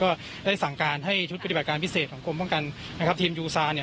ก็ได้สั่งการให้ชุดปฏิบัติการพิเศษเรียกของกลมภาคการณ์นะครับทีมยูษาซีมานี่